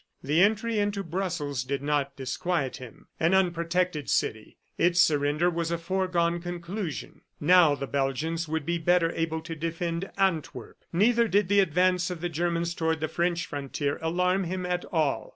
The entry into Brussels did not disquiet him. An unprotected city! ... Its surrender was a foregone conclusion. Now the Belgians would be better able to defend Antwerp. Neither did the advance of the Germans toward the French frontier alarm him at all.